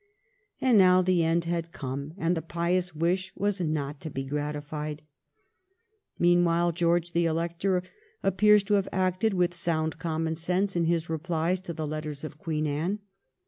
And now the end had come, and the pious wish was not to be gratified. Meanwhile George the Elector appears to have acted with sound common sense in his replies to the letters of Queen Anne.